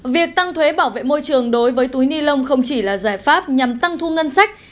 việc tăng thuế bảo vệ môi trường đối với túi ni lông không chỉ là giải pháp nhằm tăng thu ngân sách